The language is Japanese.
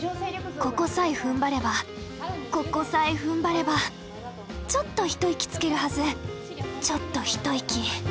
ここさえふんばればここさえふんばればちょっと一息つけるはずちょっと一息。